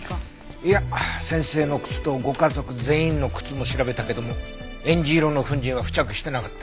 いや先生の靴とご家族全員の靴も調べたけどもえんじ色の粉塵は付着してなかった。